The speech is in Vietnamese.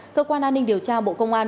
cơ quan an ninh điều tra bộ công an